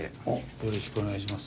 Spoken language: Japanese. よろしくお願いします。